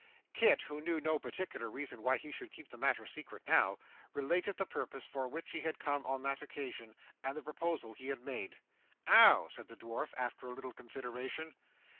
Kit, who knew no particular reason why he should keep the matter secret now, related the purpose for which he had come on that occasion, and the proposal he had made. 'Oh!' said the dwarf after a little consideration.